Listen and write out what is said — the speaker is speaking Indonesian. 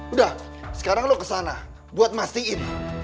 udah sekarang lo kesana buat mastiin